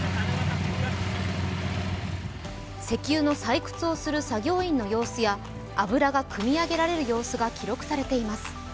石油の採掘をする作業員の様子や油がくみ上げられる様子が記録されています。